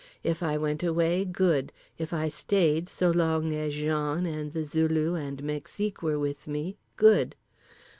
If I went away, good; if I stayed, so long as Jean and The Zulu and Mexique were with me, good.